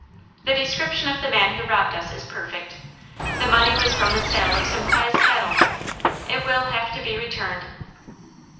The description of the man who robbed us is perfect. The money was from the sale of some prize cattle. It will have to be returned."